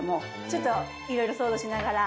ちょっといろいろ想像しながら。